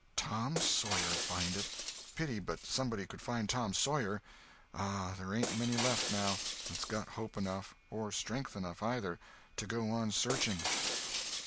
Tom Sawyer find it! Pity but somebody could find Tom Sawyer! Ah, there ain't many left, now, that's got hope enough, or strength enough, either, to go on searching."